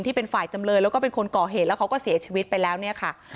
ที่เป็นฝ่ายจำเลยแล้วก็เป็นคนก่อเหตุแล้วเขาก็เสียชีวิตไปแล้วเนี่ยค่ะ